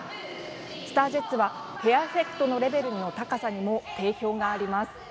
ＳＴＡＲＪＥＴＳはヘアエフェクトのレベルの高さにも定評があります。